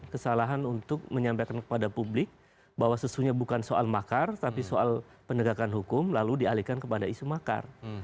kesalahan untuk menyampaikan kepada publik bahwa sesunya bukan soal makar tapi soal penegakan hukum lalu dialihkan kepada isu makar